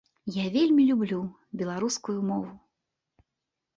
Я вельмі люблю беларускую мову.